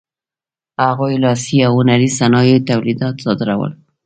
هغوی لاسي او هنري صنایعو تولیدات صادرول.